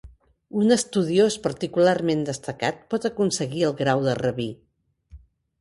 Un estudiós particularment destacat pot aconseguir el grau de rabí.